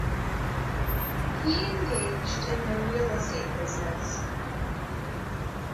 He engaged in the real-estate business.